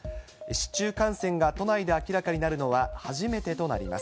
市中感染が都内で明らかになるのは初めてとなります。